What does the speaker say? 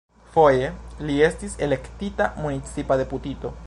Foje li estis elektita municipa deputito.